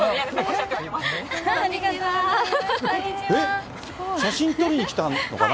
えっ、写真撮りに来たのかな？